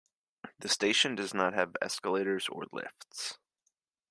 The station does not have escalators or lifts.